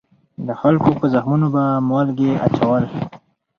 د خلکو په زخمونو به مالګې اچول.